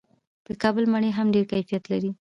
د کابل مڼې هم ډیر کیفیت لري.